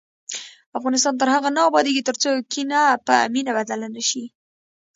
افغانستان تر هغو نه ابادیږي، ترڅو کینه په مینه بدله نشي.